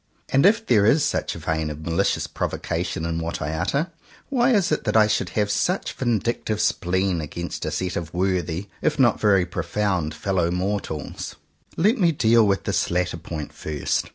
And if there is such a vein of malicious provocation in what I utter, why is it that I should have such vindictive spleen against a set of worthy, if not very profound, fellow mor tals ? Let me do with this latter point first.